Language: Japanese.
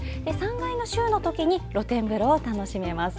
３階の週の時に露天風呂を楽しめます。